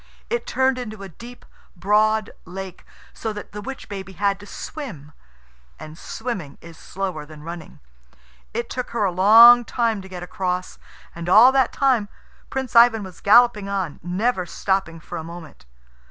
It turned into a deep, broad lake, so that the witch baby had to swim and swimming is slower than running. It took her a long time to get across, and all that time Prince Ivan was galloping on, never stopping for a moment.